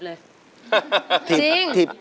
เมื่อสักครู่นี้ถูกต้องทั้งหมด